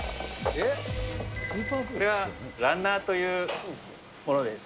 これはランナーというものです。